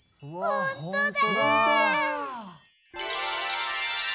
ほんとだ。